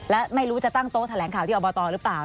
และไม่รู้จะตั้งโต๊ะแถลงข่าวที่อบตหรือเปล่า